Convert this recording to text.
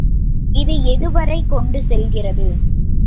இது எதுவரை கொண்டு செல்கிறது?